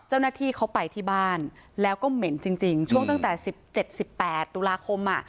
เจ้าหน้าที่เขาไปที่บ้านแล้วก็เหม็นจริงจริงช่วงตั้งแต่สิบเจ็ดสิบแปดตุลาคมอ่ะ